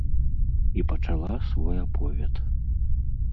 І пачала свой аповед.